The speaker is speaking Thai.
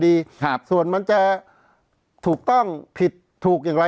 จริงผมไม่อยากสวนนะฮะเพราะถ้าผมสวนเนี่ยมันจะไม่ใช่เรื่องของการทำร้ายร่างกาย